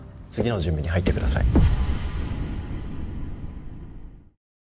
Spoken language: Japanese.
次の準備に入ってください